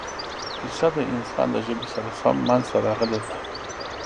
کیسه د انسان د ژبې سره سم منځته راغلې ده.